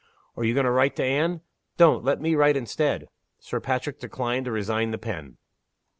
Are you going to write to Anne? Don't. Let me write instead." Sir Patrick declined to resign the pen.